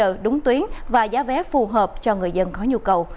có thể đạt được giá trị tính tuyến và giá vé phù hợp cho người dân có nhu cầu